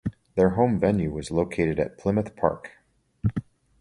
Their home venue was located at Plymouth Park.